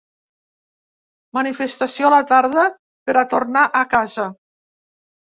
Manifestació a la tarda per a ‘tornar a casa’